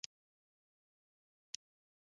بګۍ ډکې شوې.